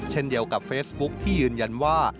เช่นเดียวกับเฟซบุ๊คที่ยืนยันว่า